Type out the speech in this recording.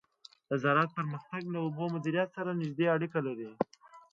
د زراعت پرمختګ له اوبو مدیریت سره نږدې اړیکه لري.